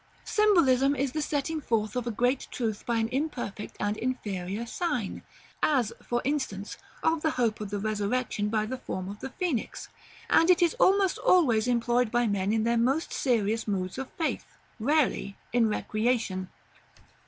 Symbolism is the setting forth of a great truth by an imperfect and inferior sign (as, for instance, of the hope of the resurrection by the form of the phoenix); and it is almost always employed by men in their most serious moods of faith, rarely in recreation.